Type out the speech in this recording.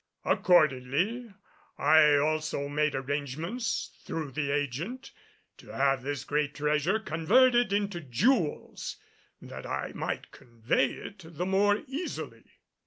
Accordingly I also made arrangements through the agent to have this great treasure converted into jewels that I might convey it the more easily.